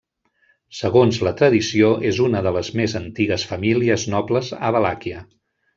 Segons la tradició, és una de les més antigues famílies nobles a Valàquia.